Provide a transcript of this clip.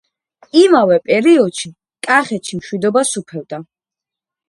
იმავე პერიოდᲨი კახეთში მᲨვიდობა სუფევდა.